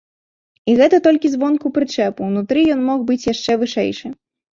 І гэта толькі звонку прычэпу, унутры ён мог быць яшчэ вышэйшы.